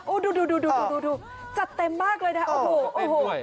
โอ้โหดูดูจัดเต็มมากเลยนะโอ้โหโอ้โห